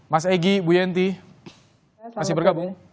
mas egy bu yenti masih bergabung